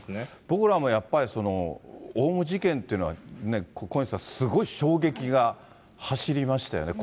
僕らもやっぱり、オウム事件というのは、小西さん、すごい衝撃が走りましたよね。